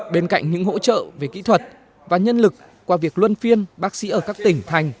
bên cạnh những hỗ trợ về kỹ thuật và nhân lực qua việc luân phiên bác sĩ ở các tỉnh thành